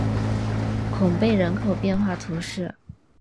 孔贝人口变化图示